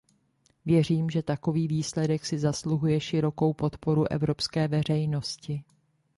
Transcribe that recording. Věřím, že takový výsledek si zasluhuje širokou podporu evropské veřejnosti.